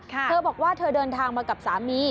เธอบอกว่าเธอเดินทางมากับสามี